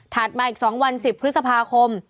มาอีก๒วัน๑๐พฤษภาคม